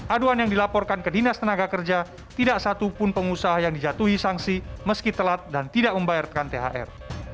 aduan yang dilaporkan ke dinas tenaga kerja tidak satupun pengusaha yang dijatuhi sanksi meski telat dan tidak membayarkan thr